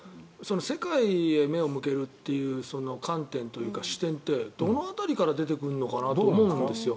世界へ目を向けるという観点というか視点ってどの辺りから出てくるのかなと思うんですよ。